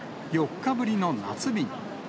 ４日ぶりの夏日に。